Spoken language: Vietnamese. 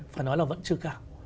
phải nói là vẫn chưa cả